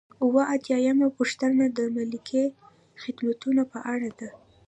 اووه اتیا یمه پوښتنه د ملکي خدمتونو په اړه ده.